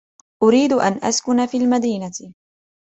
أريد أن أسكن في المدينة.